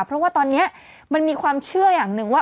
เพราะว่าตอนนี้มันมีความเชื่ออย่างหนึ่งว่า